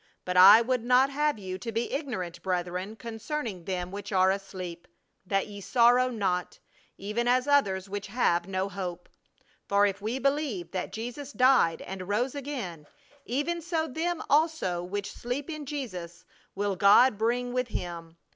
But I would not have you to be ignorant, brethren, concerning them which are asleep, that ye sorrow not, even as others which have no hope. For if we believe that Jesus died and rose again, even so them also which sleep in Jesus will God bring with Him....